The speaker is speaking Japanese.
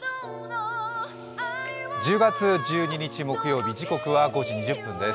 １０月１２日木曜日、時刻は５時２０分です。